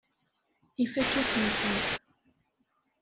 Ifakk-asen-ten.